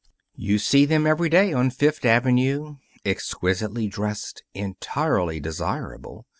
You see them every day on Fifth Avenue, exquisitely dressed, entirely desirable.